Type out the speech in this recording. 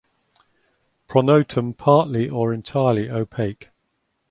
Pronotum partly or entirely opaque.